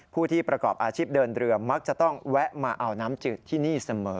ผู้ที่ประกอบอาชีพเดินเรือมักจะต้องแวะมาเอาน้ำจืดที่นี่เสมอ